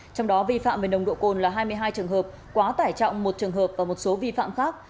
trong đó vi phạm về nồng độ cồn là hai mươi hai trường hợp quá tải trọng một trường hợp và một số vi phạm khác